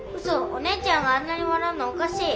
お姉ちゃんがあんなにわらうのおかしい。